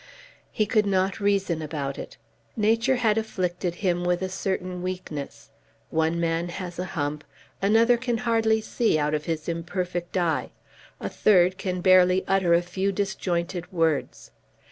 He could not reason about it. Nature had afflicted him with a certain weakness. One man has a hump; another can hardly see out of his imperfect eyes; a third can barely utter a few disjointed words.